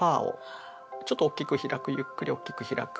ちょっとおっきく開くゆっくりおっきく開く。